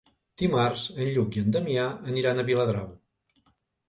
Dimarts en Lluc i en Damià aniran a Viladrau.